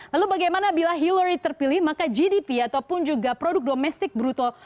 lalu bagaimana bila hillary terpilih maka gdp ataupun juga produk domestik bruto